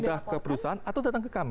boleh minta ke perusahaan atau datang ke kami